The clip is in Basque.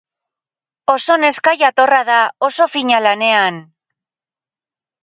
Oso neska jatorra da, oso fina lanean.